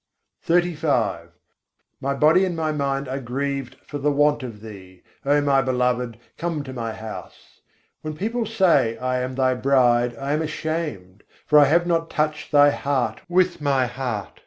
XXXV II. 113. vâlam, âwo hamâre geh re My body and my mind are grieved for the want of Thee; O my Beloved! come to my house. When people say I am Thy bride, I am ashamed; for I have not touched Thy heart with my heart.